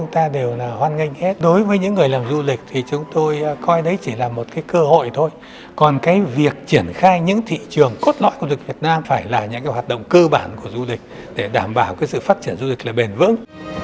thay những thị trường cốt lõi của du lịch việt nam phải là những hoạt động cơ bản của du lịch để đảm bảo sự phát triển du lịch là bền vững